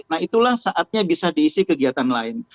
nah itulah saatnya bisa diisi kegiatan lain